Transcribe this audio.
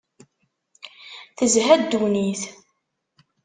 Tezha ddunit.